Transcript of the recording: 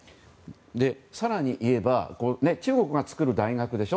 更に言えば中国が作る大学でしょ。